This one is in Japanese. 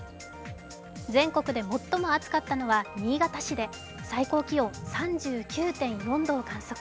全国で最も熱かったのは新潟市で最高気温３９．４度を観測。